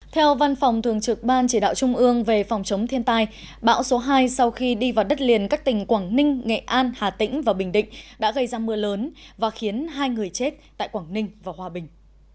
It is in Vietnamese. theo văn phòng thường trực ban chỉ đạo trung ương về phòng chống thiên tai bão số hai sau khi đi vào đất liền các tỉnh quảng ninh nghệ an hà tĩnh và bình định đã gây ra mưa lớn và khiến hai người chết tại quảng ninh và hòa bình